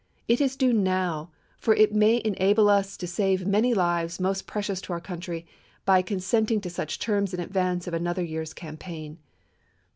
It is due now, for it may enable us to save many lives most precious to our country, by consent ing to such terms in advance of another year's campaign."